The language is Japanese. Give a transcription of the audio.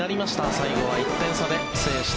最後は１点差で制した